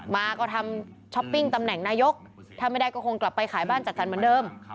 มาก็ทำช้อปปิ้งตำแหน่งนายกถ้าไม่ได้ก็คงกลับไปขายบ้านจัดสรรเหมือนเดิม